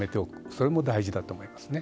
それも大事だと思いますね。